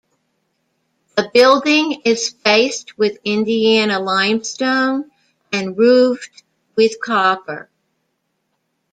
The building is faced with Indiana limestone and roofed with copper.